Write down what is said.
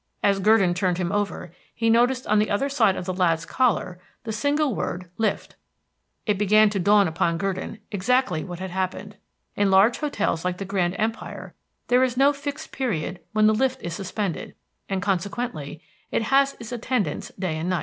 As Gurdon turned him over, he noticed on the other side of the lad's collar the single word "Lift." It began to dawn upon Gurdon exactly what had happened. In large hotels like the Grand Empire there is no fixed period when the lift is suspended, and consequently, it has its attendants night and day.